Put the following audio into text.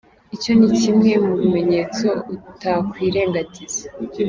Icyo ni kimwe mu bimenyetso utakwirengagiza.